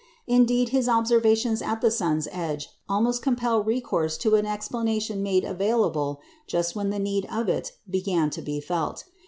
Indeed, his observations at the sun's edge almost compelled recourse to an explanation made available just when the need of it began to be felt.